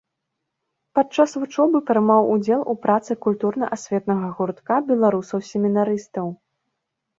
Падчас вучобы прымаў удзел у працы культурна-асветнага гуртка беларусаў-семінарыстаў.